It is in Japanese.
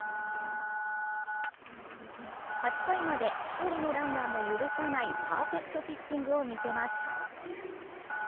８回まで１人のランナーも許さないパーフェクトピッチングを見せます。